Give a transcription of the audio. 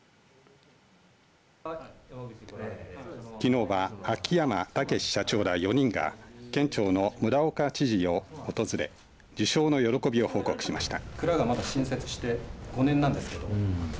きのうは秋山剛志社長ら４人が県庁の村岡知事を訪れ受賞の喜びを報告しました。